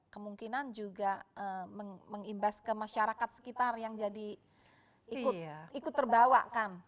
kemungkinan juga mengimbas ke masyarakat sekitar yang jadi ikut terbawa kan